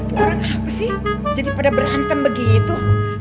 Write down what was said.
itu orang apa sih jadi pada berantem begitu